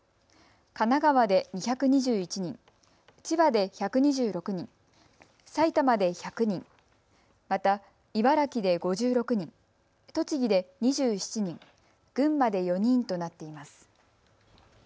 神奈川で２２１人、千葉で１２６人、埼玉で１００人、また、茨城で５６人、栃木で２７人、群馬で４人となっています。